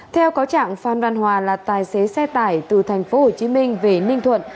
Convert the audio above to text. theo cáo trạng phan văn hòa là tài xế xe tải từ tp hcm về ninh thuận